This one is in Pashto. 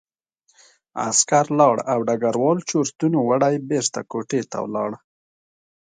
عسکر لاړ او ډګروال چورتونو وړی بېرته کوټې ته لاړ